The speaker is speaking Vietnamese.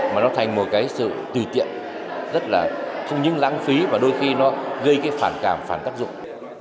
mà nó thành một cái sự tùy tiện rất là không những lãng phí mà đôi khi nó gây cái phản cảm phản tác dụng